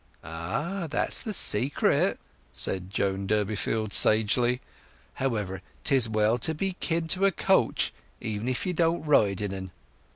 "Ah, that's the secret," said Joan Durbeyfield sagely. "However, 'tis well to be kin to a coach, even if you don't ride in 'en."